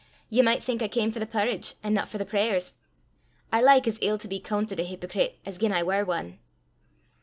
Ye micht think I cam for the parritch, an' no for the prayers. I like as ill to be coontit a hypocrite as gien I war ane."